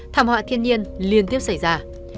thảm họa thiên nhiên liên tiếp xảy ra